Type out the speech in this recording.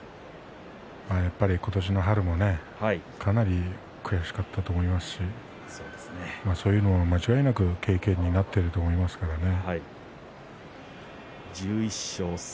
今年の春もかなり悔しかったと思いますしそういうのを間違いなく経験になっていると思いますからね。